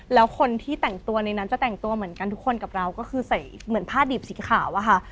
แล้วคนที่แต่งตัวในนั้นจะแต่งตัวเหมือนกันทุกคนกับเราก็คือใส่เหมือนผ้าดิบสีขาวอะค่ะ